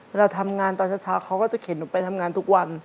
เวลาทำงานตอนเช้าเขาก็จะเข็นหนูไปทำงานทุกวัน